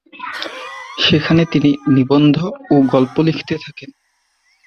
সেখানে তিনি নিবন্ধ ও গল্প লিখতে থাকেন।